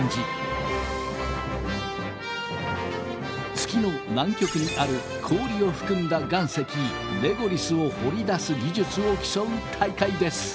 月の南極にある氷を含んだ岩石レゴリスを掘り出す技術を競う大会です。